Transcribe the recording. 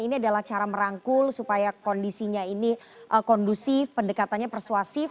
ini adalah cara merangkul supaya kondisinya ini kondusif pendekatannya persuasif